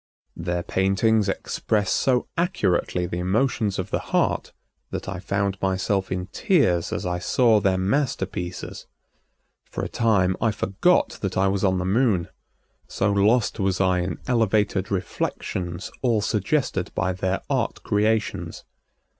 Their paintings express so accurately the emotions of the heart that I found myself in tears as I saw their masterpieces. For a time I forgot that I was on the Moon, so lost was I in elevated reflections all suggested by their art creations.